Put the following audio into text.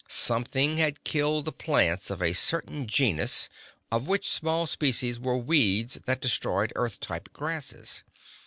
Something had killed the plants of a certain genus of which small species were weeds that destroyed Earth type grasses.